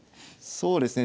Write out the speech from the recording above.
そうですね